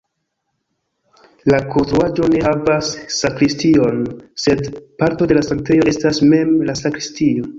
La konstruaĵo ne havas sakristion, sed parto de la sanktejo estas mem la sakristio.